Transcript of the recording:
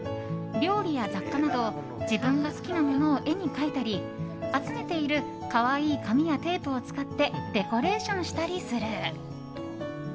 料理や雑貨など自分が好きなものを絵に描いたり集めている可愛い紙やテープを使ってデコレーションしたりする。